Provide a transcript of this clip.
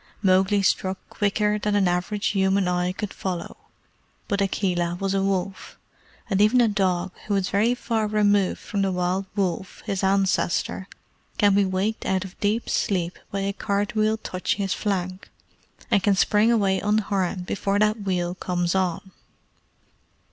Mowgli struck quicker than an average human eye could follow but Akela was a wolf; and even a dog, who is very far removed from the wild wolf, his ancestor, can be waked out of deep sleep by a cart wheel touching his flank, and can spring away unharmed before that wheel comes on.